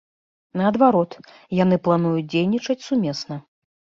Наадварот, яны плануюць дзейнічаць сумесна.